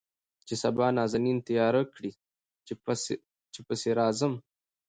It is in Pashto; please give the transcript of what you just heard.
چې سبا نازنين تيار کړي چې پسې راځم.